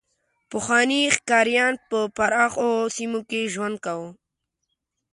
پخواني ښکاریان به په پراخو سیمو کې ژوند کاوه.